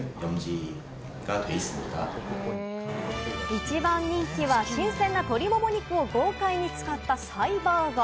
一番人気は新鮮な鶏モモ肉を豪快に使ったサイバーガー。